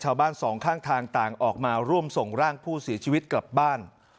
สองข้างทางต่างออกมาร่วมส่งร่างผู้เสียชีวิตกลับบ้าน